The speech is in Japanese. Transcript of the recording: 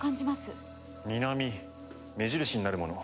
南目印になるもの